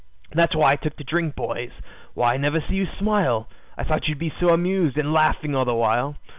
"That's why I took to drink, boys. Why, I never see you smile, I thought you'd be amused, and laughing all the while.